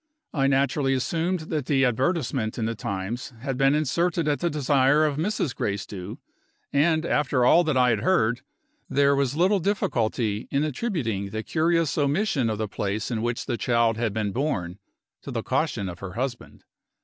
I naturally assumed that the advertisement in the Times had been inserted at the desire of Mrs. Gracedieu; and, after all that I had heard, there was little difficulty in attributing the curious omission of the place in which the child had been born to the caution of her husband.